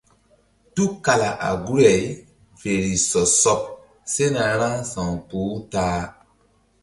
Tukala a guri-ay fe ri sɔ sɔɓ sena ra sa̧wkpuh-u ta-a.